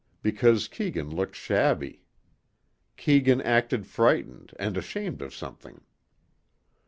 Because Keegan looked shabby. Keegan acted frightened and ashamed of something.